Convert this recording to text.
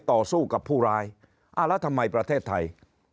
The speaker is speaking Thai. ต่อสู้กับผู้ร้ายอ่าแล้วทำไมประเทศไทย